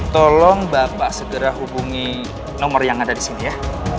tolong bapak segera hubungi nomor yang ada di sini ya